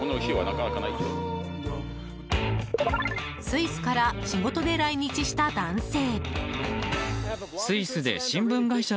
スイスから仕事で来日した男性。